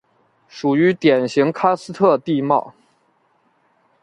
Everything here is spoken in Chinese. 属于典型喀斯特地貌。